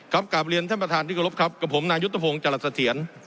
ครับกราบเรียนท่านประธานธิกรพครับกับผมนายุทธภงศ์จรสเถียน